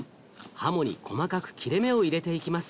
ハモに細かく切れ目を入れていきます。